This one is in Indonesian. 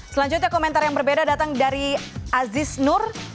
selanjutnya komentar yang berbeda datang dari aziz nur